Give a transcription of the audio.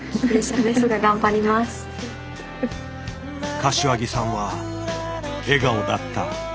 柏木さんは笑顔だった。